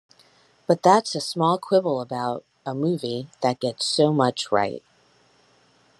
But that's a small quibble about a movie that gets so much right.